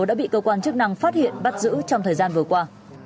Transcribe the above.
đã bị cơ quan chức năng phát hiện bắt giữ trong thời gian vừa qua